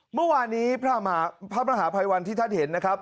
เมื่อวานนี้พระมหาภัยวันที่ท่านเห็นนะครับ